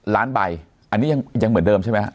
ล้านใบอันนี้ยังเหมือนเดิมใช่ไหมฮะ